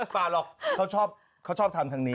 ป่าหรอกเขาชอบทำทางนี้